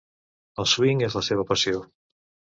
El swing és la seva passió.